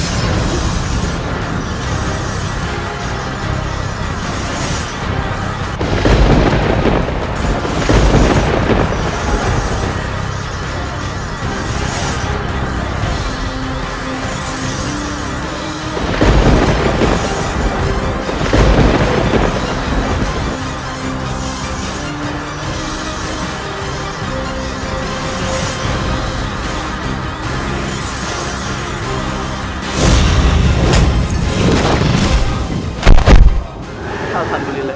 alhamdulillah raka berangkat